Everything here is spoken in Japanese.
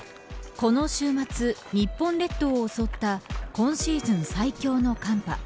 この週末、日本列島を襲った今シーズン最強の寒波。